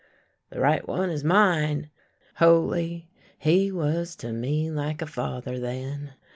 "" The right one is mine. Holy, he was to me like a father then